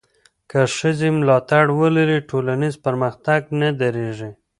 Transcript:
که ښځې ملاتړ ولري، ټولنیز پرمختګ نه درېږي.